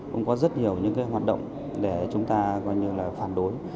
cũng có rất nhiều những cái hoạt động để chúng ta gọi như là phản đối